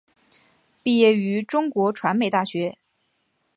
毕业于中国传媒大学。